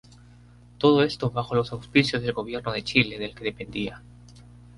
Todo esto bajo los auspicios del gobierno de Chile del que dependía.